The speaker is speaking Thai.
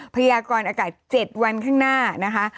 พยากรอากาศ๗วันข้างหน้านะคะ